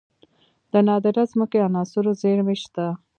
د نادره ځمکنۍ عناصرو زیرمې شته